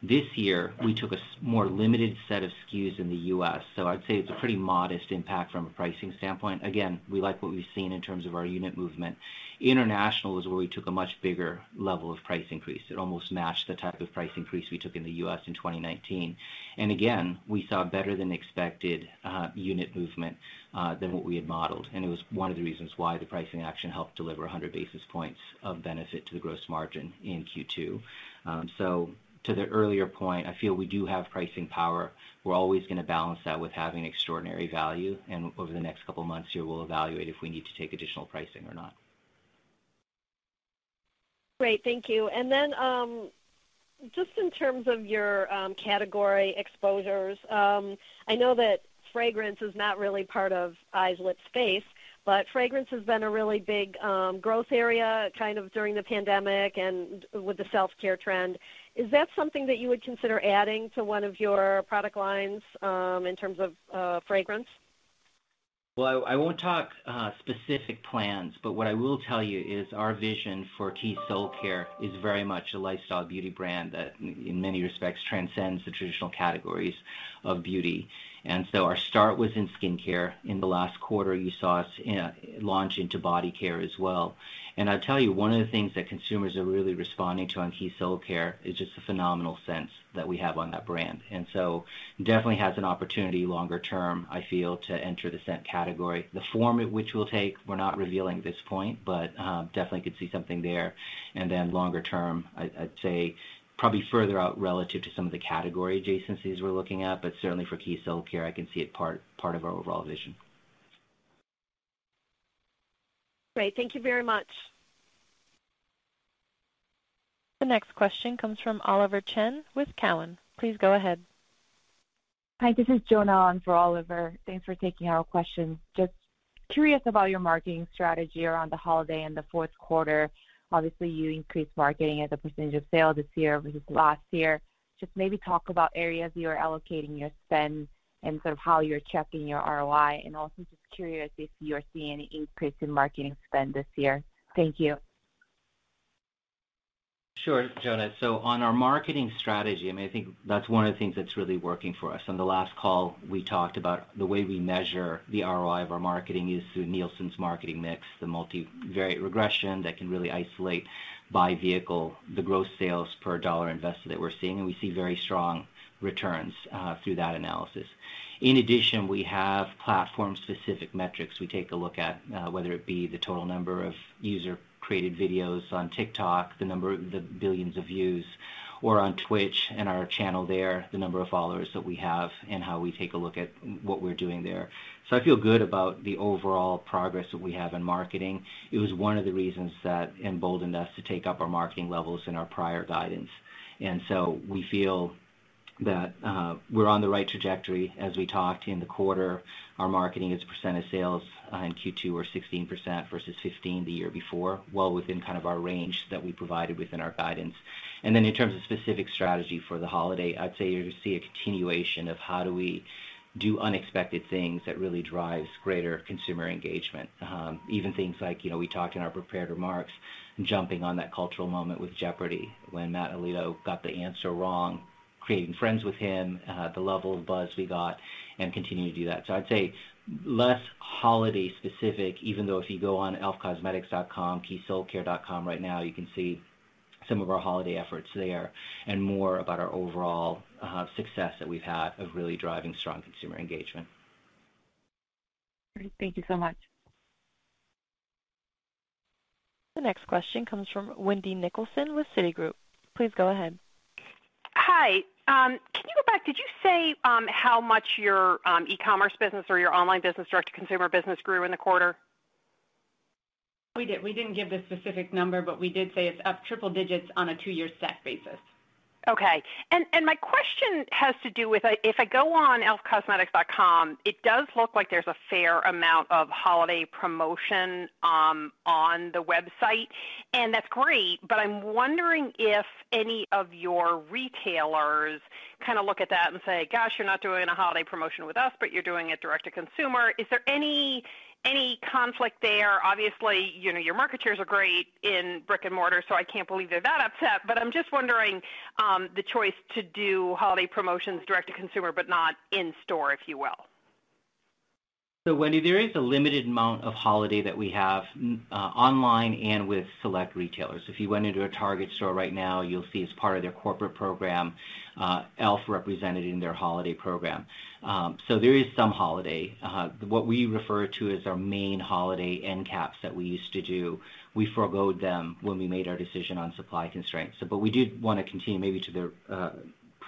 This year, we took a more limited set of SKUs in the U.S., so I'd say it's a pretty modest impact from a pricing standpoint. Again, we like what we've seen in terms of our unit movement. International is where we took a much bigger level of price increase. It almost matched the type of price increase we took in the U.S. in 2019. Again, we saw better than expected unit movement than what we had modeled, and it was one of the reasons why the pricing action helped deliver 100 basis points of benefit to the gross margin in Q2. So to the earlier point, I feel we do have pricing power. We're always gonna balance that with having extraordinary value, and over the next couple of months here, we'll evaluate if we need to take additional pricing or not. Great. Thank you. Just in terms of your category exposures, I know that fragrance is not really part of e.l.f., but fragrance has been a really big growth area kind of during the pandemic and with the self-care trend. Is that something that you would consider adding to one of your product lines, in terms of fragrance? Well, I won't talk specific plans, but what I will tell you is our vision for Keys Soulcare is very much a lifestyle beauty brand that in many respects transcends the traditional categories of beauty. Our start was in skincare. In the last quarter, you saw us launch into body care as well. I'll tell you, one of the things that consumers are really responding to on Keys Soulcare is just the phenomenal sense that we have on that brand. It definitely has an opportunity longer term, I feel, to enter the scent category. The form at which we'll take, we're not revealing at this point, but definitely could see something there. Longer term, I'd say probably further out relative to some of the category adjacencies we're looking at. Certainly, for Keys Soulcare, I can see it part of our overall vision. Great. Thank you very much. The next question comes from Oliver Chen with Cowen. Please go ahead. Hi, this is Jonna on for Oliver Chen. Thanks for taking our question. Just curious about your marketing strategy around the holiday and the fourth quarter. Obviously, you increased marketing as a percentage of sales this year versus last year. Just maybe talk about areas you are allocating your spend and sort of how you're checking your ROI, and also just curious if you're seeing an increase in marketing spend this year. Thank you. Sure, Jonna. On our marketing strategy, I mean, I think that's one of the things that's really working for us. On the last call, we talked about the way we measure the ROI of our marketing is through Nielsen's marketing mix, the multivariate regression that can really isolate by vehicle, the growth sales per dollar invested that we're seeing, and we see very strong returns through that analysis. In addition, we have platform-specific metrics we take a look at, whether it be the total number of user-created videos on TikTok, the billions of views, or on Twitch and our channel there, the number of followers that we have and how we take a look at what we're doing there. I feel good about the overall progress that we have in marketing. It was one of the reasons that emboldened us to take up our marketing levels in our prior guidance. We feel that, we're on the right trajectory. As we talked in the quarter, our marketing as a percent of sales in Q2 were 16% versus 15% the year before, well within kind of our range that we provided within our guidance. In terms of specific strategy for the holiday, I'd say you'll see a continuation of how do we do unexpected things that really drives greater consumer engagement. Even things like, you know, we talked in our prepared remarks, jumping on that cultural moment with Jeopardy! when Matt Amodio got the answer wrong, befriending him, the level of buzz we got and continuing to do that. I'd say less holiday specific, even though if you go on elfcosmetics.com, keyssoulcare.com right now, you can see some of our holiday efforts there and more about our overall success that we've had of really driving strong consumer engagement. Great. Thank you so much. The next question comes from Wendy Nicholson with Citigroup. Please go ahead. Hi. Can you go back? Did you say how much your e-commerce business or your online business, direct-to-consumer business grew in the quarter? We did. We didn't give the specific number, but we did say it's up triple digits on a two-year stack basis. Okay. My question has to do with if I go on elfcosmetics.com, it does look like there's a fair amount of holiday promotion on the website, and that's great. I'm wondering if any of your retailers kind of look at that and say, "Gosh, you're not doing a holiday promotion with us, but you're doing it direct to consumer." Is there any conflict there? Obviously, you know, your marketeers are great in brick-and-mortar, so I can't believe they're that upset, but I'm just wondering the choice to do holiday promotions direct to consumer, but not in-store, if you will. Wendy, there is a limited amount of holiday that we have online and with select retailers. If you went into a Target store right now, you'll see as part of their corporate program, e.l.f. represented in their holiday program. There is some holiday. What we refer to as our main holiday end caps that we used to do, we forwent them when we made our decision on supply constraints. We did want to continue maybe to the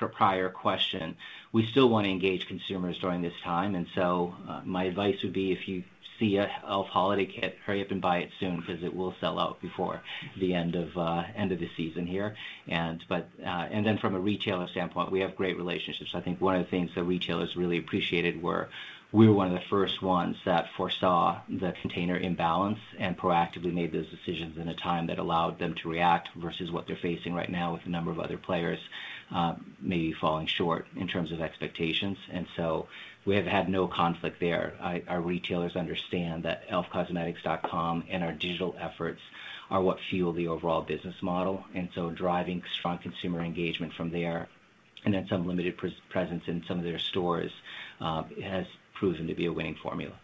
prior question, we still want to engage consumers during this time. My advice would be if you see a e.l.f. holiday kit, hurry up and buy it soon because it will sell out before the end of the season here. Then from a retailer standpoint, we have great relationships. I think one of the things the retailers really appreciated were we were one of the first ones that foresaw the container imbalance and proactively made those decisions in a time that allowed them to react versus what they're facing right now with a number of other players, maybe falling short in terms of expectations. We have had no conflict there. Our retailers understand that elfcosmetics.com and our digital efforts are what fuel the overall business model, and so driving strong consumer engagement from there, and then some limited presence in some of their stores, has proven to be a winning formula.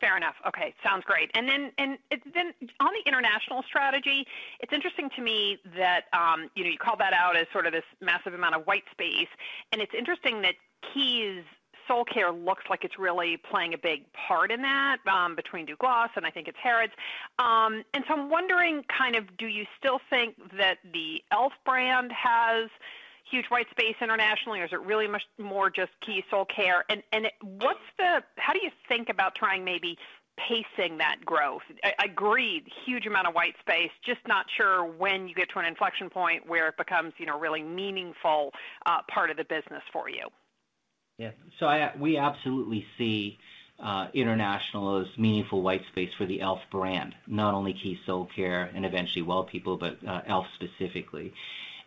Fair enough. Okay, sounds great. On the international strategy, it's interesting to me that, you know, you call that out as sort of this massive amount of white space, and it's interesting that Keys Soulcare looks like it's really playing a big part in that, between Douglas and I think it's Harrods. I'm wondering kind of do you still think that the e.l.f. brand has huge white space internationally, or is it really much more just Keys Soulcare? How do you think about trying maybe pacing that growth? Agreed, huge amount of white space. Just not sure when you get to an inflection point where it becomes, you know, really meaningful, part of the business for you. Yeah. We absolutely see international as meaningful white space for the e.l.f. brand, not only Keys Soulcare and eventually Well People, but e.l.f. specifically.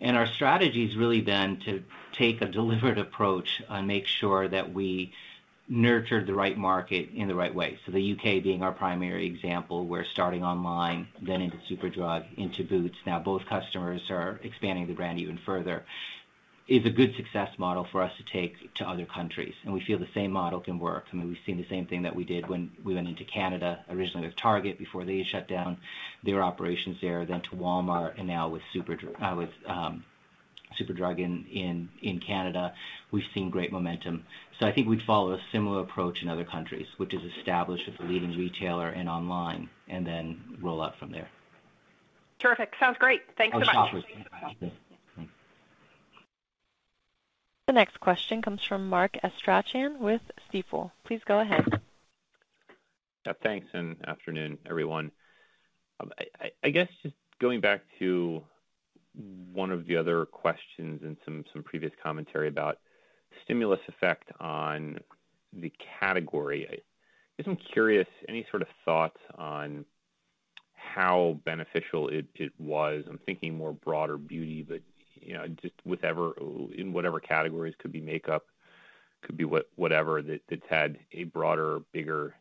Our strategy has really been to take a deliberate approach and make sure that we nurture the right market in the right way. The U.K. being our primary example, we're starting online, then into Superdrug, into Boots. Now both customers are expanding the brand even further. It is a good success model for us to take to other countries, and we feel the same model can work. I mean, we've seen the same thing that we did when we went into Canada originally with Target before they shut down their operations there, then to Walmart, and now with Superdrug in Canada. We've seen great momentum. I think we'd follow a similar approach in other countries, which is establish with a leading retailer and online and then roll out from there. Terrific. Sounds great. Thanks so much. The next question comes from Mark Astrachan with Stifel. Please go ahead. Yeah, thanks. Good afternoon, everyone. I guess just going back to one of the other questions and some previous commentary about stimulus effect on the category. Just curious, any sort of thoughts on how beneficial it was? I'm thinking more broader beauty, but you know, just whatever in whatever categories, could be makeup, could be whatever, that's had a broader, bigger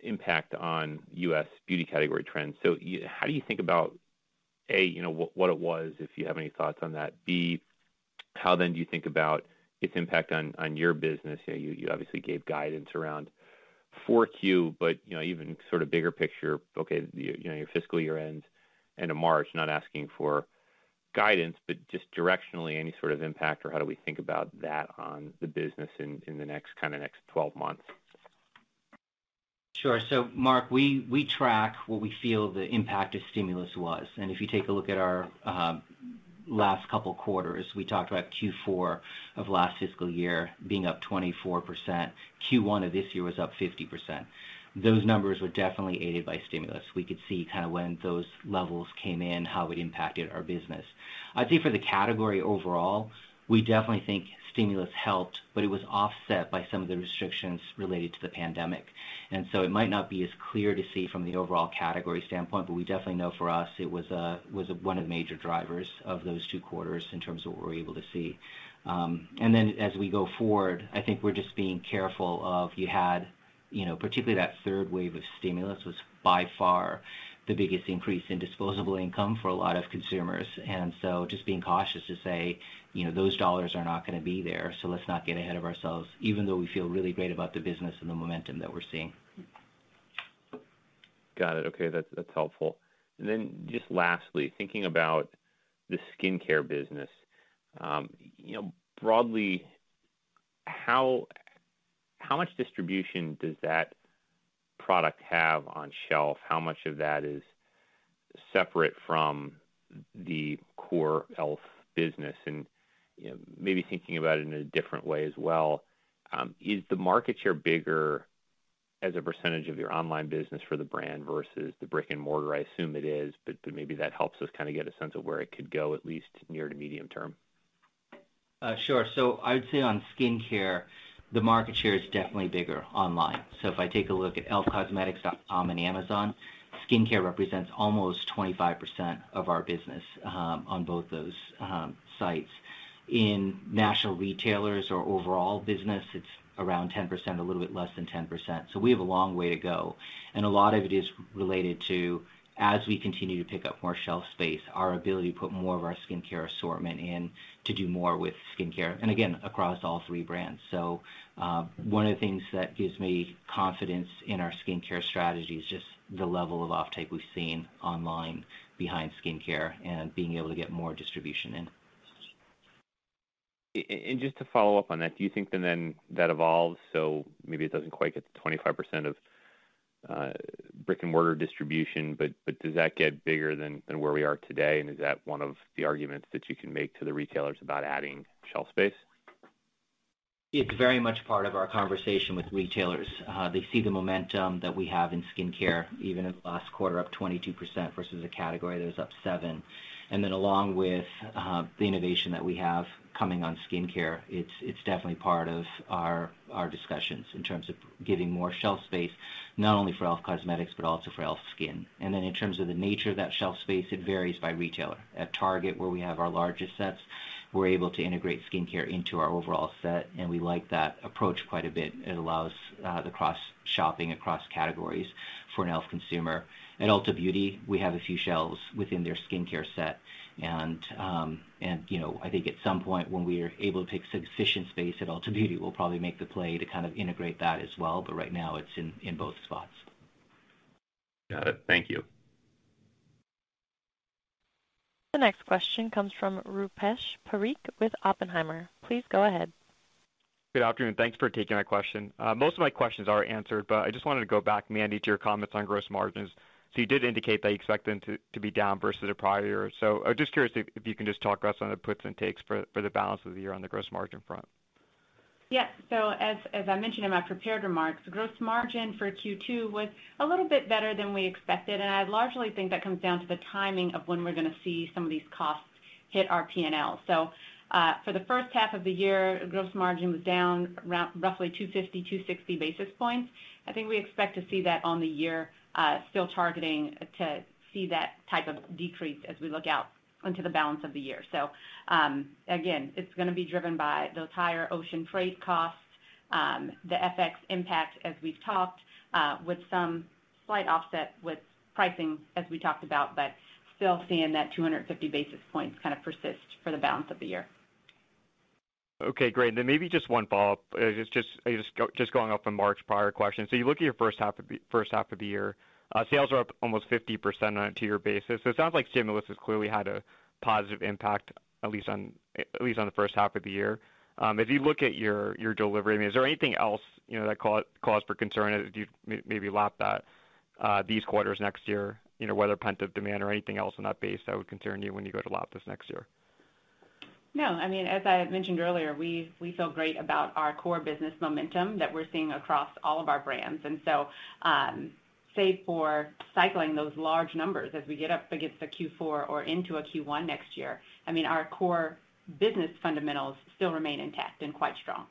impact on U.S. beauty category trends. How do you think about, a, you know, what it was, if you have any thoughts on that? B, how then do you think about its impact on your business? You obviously gave guidance around 4Q, but you know, even sort of bigger picture. You know, your fiscal year ends end of March. Not asking for guidance, but just directionally, any sort of impact or how do we think about that on the business in the next, kinda next 12 months? Sure. Mark, we track what we feel the impact of stimulus was. If you take a look at our last couple quarters, we talked about Q4 of last fiscal year being up 24%. Q1 of this year was up 50%. Those numbers were definitely aided by stimulus. We could see kinda when those levels came in, how it impacted our business. I'd say for the category overall, we definitely think stimulus helped, but it was offset by some of the restrictions related to the pandemic. It might not be as clear to see from the overall category standpoint, but we definitely know for us it was one of the major drivers of those two quarters in terms of what we're able to see. As we go forward, I think we're just being careful because, you know, particularly that third wave of stimulus was by far the biggest increase in disposable income for a lot of consumers. Just being cautious to say, you know, those dollars are not gonna be there, so let's not get ahead of ourselves, even though we feel really great about the business and the momentum that we're seeing. Got it. Okay. That's helpful. Just lastly, thinking about the skincare business, broadly, how much distribution does that product have on shelf? How much of that is separate from the core e.l.f. business? Maybe thinking about it in a different way as well, is the market share bigger as a percentage of your online business for the brand versus the brick and mortar? I assume it is, but maybe that helps us kinda get a sense of where it could go at least near to medium term. I would say on skincare, the market share is definitely bigger online. If I take a look at elfcosmetics.com and Amazon, skincare represents almost 25% of our business on both those sites. In national retailers or overall business, it's around 10%, a little bit less than 10%. We have a long way to go. A lot of it is related to, as we continue to pick up more shelf space, our ability to put more of our skincare assortment in to do more with skincare, and again, across all three brands. One of the things that gives me confidence in our skincare strategy is just the level of offtake we've seen online behind skincare and being able to get more distribution in. Just to follow up on that, do you think that then evolves, so maybe it doesn't quite get to 25% of brick-and-mortar distribution, but does that get bigger than where we are today? Is that one of the arguments that you can make to the retailers about adding shelf space? It's very much part of our conversation with retailers. They see the momentum that we have in skincare, even in the last quarter, up 22% versus a category that was up 7%. Along with the innovation that we have coming on skincare, it's definitely part of our discussions in terms of getting more shelf space, not only for e.l.f. Cosmetics, but also for e.l.f. SKIN. In terms of the nature of that shelf space, it varies by retailer. At Target, where we have our largest sets, we're able to integrate skincare into our overall set, and we like that approach quite a bit. It allows the cross-shopping across categories for an e.l.f. consumer. At Ulta Beauty, we have a few shelves within their skincare set, and you know, I think at some point when we are able to take sufficient space at Ulta Beauty, we'll probably make the play to kind of integrate that as well. Right now, it's in both spots. Got it. Thank you. The next question comes from Rupesh Parikh with Oppenheimer. Please go ahead. Good afternoon. Thanks for taking my question. Most of my questions are answered, but I just wanted to go back, Mandy, to your comments on gross margins. You did indicate that you expect them to be down versus the prior year. I'm just curious if you can just talk to us on the puts and takes for the balance of the year on the gross margin front. Yeah. As I mentioned in my prepared remarks, gross margin for Q2 was a little bit better than we expected, and I largely think that comes down to the timing of when we're gonna see some of these costs hit our P&L. For the first half of the year, gross margin was down roughly 250-260 basis points. I think we expect to see that on the year, still targeting to see that type of decrease as we look out into the balance of the year. Again, it's gonna be driven by those higher ocean freight costs, the FX impact, as we've talked, with some slight offset with pricing as we talked about, but still seeing that 250 basis points kind of persist for the balance of the year. Okay, great. Maybe just one follow-up. Just going off of Mark's prior question. You look at your first half of the year, sales are up almost 50% on a year-over-year basis. It sounds like stimulus has clearly had a positive impact, at least on the first half of the year. As you look at your delivery, I mean, is there anything else, you know, that cause for concern as you maybe lap that, these quarters next year? You know, whether pent-up demand or anything else on that base that would concern you when you go to lap this next year? No. I mean, as I had mentioned earlier, we feel great about our core business momentum that we're seeing across all of our brands. Save for cycling those large numbers as we get up against the Q4 or into a Q1 next year, I mean, our core business fundamentals still remain intact and quite strong.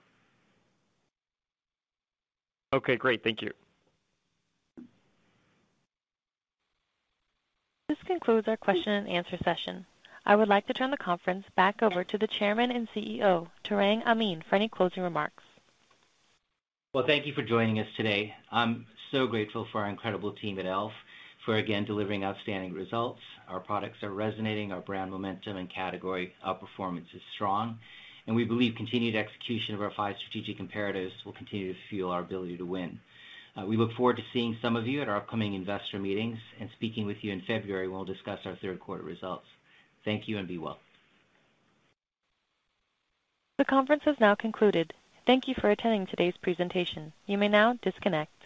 Okay, great. Thank you. This concludes our question-and-answer session. I would like to turn the conference back over to the Chairman and CEO, Tarang Amin, for any closing remarks. Well, thank you for joining us today. I'm so grateful for our incredible team at e.l.f. for again delivering outstanding results. Our products are resonating, our brand momentum and category outperformance is strong, and we believe continued execution of our five strategic imperatives will continue to fuel our ability to win. We look forward to seeing some of you at our upcoming investor meetings and speaking with you in February when we'll discuss our third quarter results. Thank you, and be well. The conference has now concluded. Thank you for attending today's presentation. You may now disconnect.